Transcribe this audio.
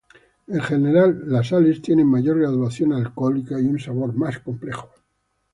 En general, las "ales" tienen mayor graduación alcohólica y un sabor más complejo.